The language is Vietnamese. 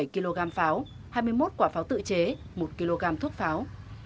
năm trăm bảy mươi bốn bảy kg pháo hai mươi một quả pháo tự chế một kg thuốc pháo